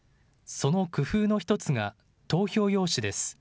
その工夫の１つが投票用紙です。